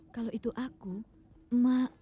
kalau itu aku emak